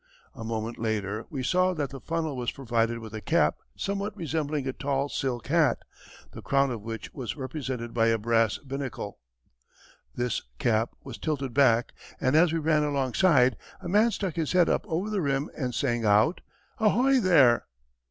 A moment later we saw that the funnel was provided with a cap somewhat resembling a tall silk hat, the crown of which was represented by a brass binnacle. This cap was tilted back, and as we ran alongside, a man stuck his head up over the rim and sang out, "Ahoy there!"